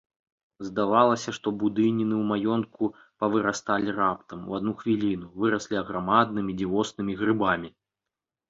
Здавалася, што будыніны ў маёнтку павырасталі раптам, у адну хвіліну, выраслі аграмаднымі дзівоснымі грыбамі.